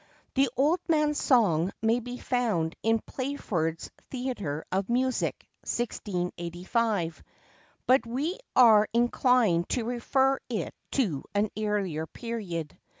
The Old Man's Song may be found in Playford's Theatre of Music, 1685; but we are inclined to refer it to an earlier period.